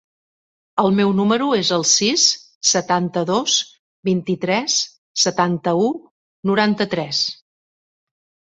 El meu número es el sis, setanta-dos, vint-i-tres, setanta-u, noranta-tres.